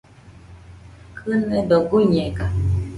Kɨnedo guiñega